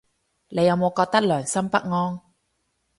你有冇覺得良心不安